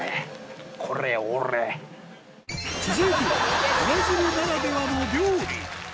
続いては、ブラジルならではの料理。